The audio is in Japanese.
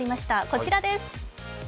こちらです。